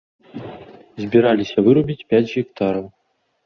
Збіраліся вырубіць пяць гектараў.